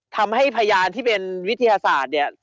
ทำให้พยานที่เป็นวิทยาศาสตร์